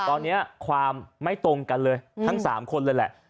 ตอนนี้ความไม่ตรงกันเลยทั้ง๓คนเลยแหละ